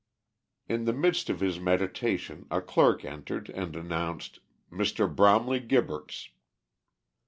In the midst of his meditations a clerk entered and announced "Mr. Bromley Gibberts."